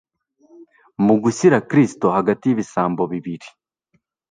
Mu gushyira Kristo hagati y'ibisambo bibiri,